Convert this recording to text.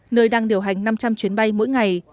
nơi đang điều hành năm trăm linh chuyến bay mỗi ngày